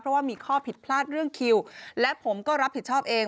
เพราะว่ามีข้อผิดพลาดเรื่องคิวและผมก็รับผิดชอบเอง